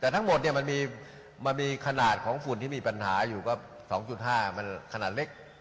แต่ทั้งหมดเนี่ยมันมีขนาดของฝุ่นที่มีปัญหาอยู่ก็๒๕มันขนาดเล็ก